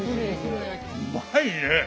うまいね！